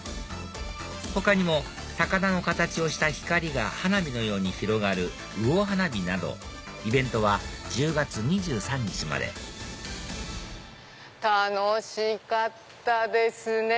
他にも魚の形をした光が花火のように広がる魚花火などイベントは１０月２３日まで楽しかったですね！